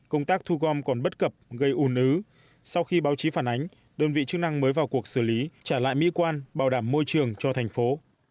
công tác thu gom còn bất cập gây ủn ứ sau khi báo chí phản ánh đơn vị chức năng mới vào cuộc xử lý trả lại mỹ quan bảo đảm môi trường cho thành phố